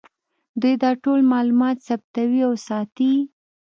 دوی دا ټول معلومات ثبتوي او ساتي یې